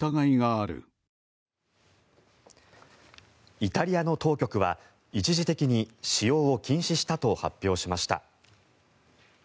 イタリアの当局は一時的に使用を禁止したと発表しました。